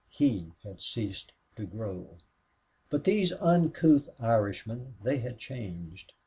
He had ceased to grow. But these uncouth Irishmen, they had changed.